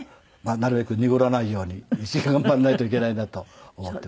なるべく濁らないように一生懸命頑張らないといけないなと思っています。